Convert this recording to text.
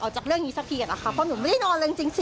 ออกจากเรื่องนี้ซักทีกันอ่ะค่ะเพราะหนูไม่ได้นอนเลยจริง